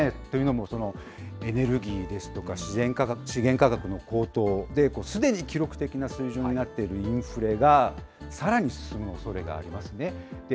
というのもエネルギーですとか、資源価格の高騰で、すでに記録的な水準になっているインフレが、さらに進むおそれがありますね。